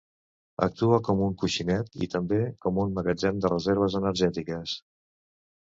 Actua com un coixinet i també com un magatzem de reserves energètiques.